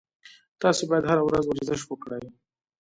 تاسو باید هر ورځ ورزش وکړئ